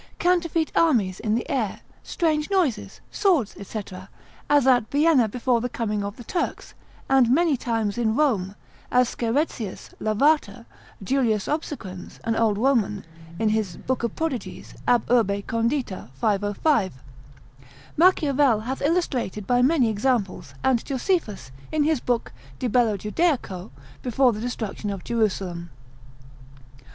Counterfeit armies in the air, strange noises, swords, &c., as at Vienna before the coming of the Turks, and many times in Rome, as Scheretzius l. de spect. c. 1. part 1. Lavater de spect. part. 1. c. 17. Julius Obsequens, an old Roman, in his book of prodigies, ab urb. cond. 505. Machiavel hath illustrated by many examples, and Josephus, in his book de bello Judaico, before the destruction of Jerusalem.